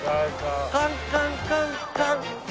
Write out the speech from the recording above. カンカンカンカン。